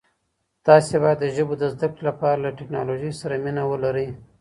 تاسي باید د ژبو د زده کړې لپاره له ټکنالوژۍ سره مینه ولرئ.